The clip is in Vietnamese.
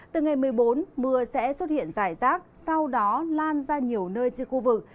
từ ngày một mươi bốn mưa sẽ xuất hiện rải rác sau đó lan ra nhiều nơi trên khu vực